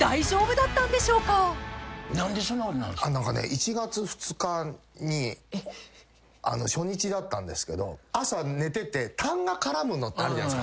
１月２日に初日だったんですけど朝寝ててたんが絡むのってあるじゃないですか。